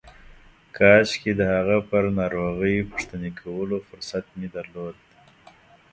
کاشکې د هغه پر ناروغۍ پوښتنې کولو فرصت مې درلود.